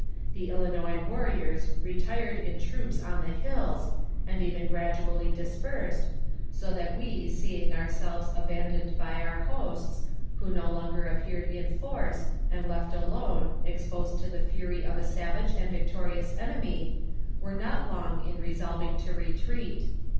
The Ilinois DISOOVERIBS IN THl! MISSISSIPPI VALLEY. 167 warriors retired in troops on the hills, and even gradually dis persed, so that we seeing ourselves abandoned by our hosts, who no longer appeared in force, and left alone exposed to to the fury of a savage and victorious enemy, were not long in resolving to retreat.